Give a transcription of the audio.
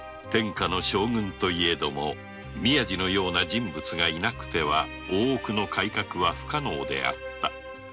将軍といえども宮路のような人物がいなくては大奥の改革は不可能であった。